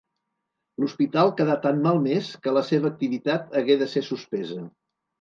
L'hospital quedà tan malmès que la seva activitat hagué de ser suspesa.